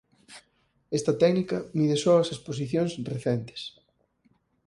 Esta técnica mide só as exposicións recentes.